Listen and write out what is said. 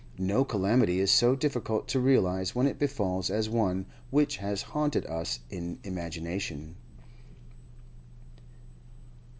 No calamity is so difficult to realise when it befalls as one which has haunted us in imagination.